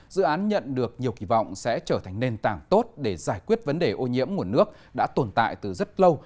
dự án nhận được nhiều kỳ vọng sẽ trở thành nền tảng tốt để giải quyết vấn đề ô nhiễm nguồn nước đã tồn tại từ rất lâu